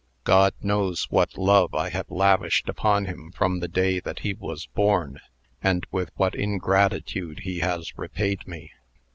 God knows what love I have lavished upon him from the day that he was born, and with what ingratitude he has repaid me.